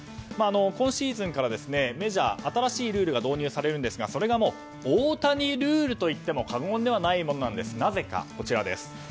今シーズンから、メジャー新しいルールが導入されるんですが、それがオオタニルールといっても過言ではないものなんです。